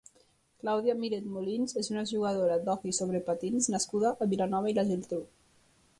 Clàudia Miret Molins és una jugadora d'hoquei sobre patins nascuda a Vilanova i la Geltrú.